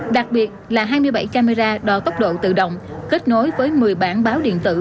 đặc biệt là hai mươi bảy camera đo tốc độ tự động kết nối với một mươi bản báo điện tử